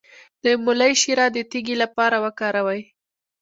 د مولی شیره د تیږې لپاره وکاروئ